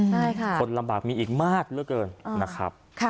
ใช่ค่ะคนลำบากมีอีกมากเหลือเกินนะครับ